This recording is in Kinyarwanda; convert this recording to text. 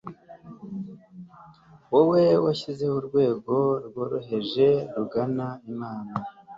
Wowe washyizeho urwego rworoheje rugana Imana